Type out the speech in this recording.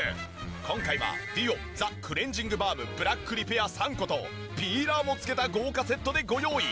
今回はＤＵＯザクレンジングバームブラックリペア３個とピーラーも付けた豪華セットでご用意。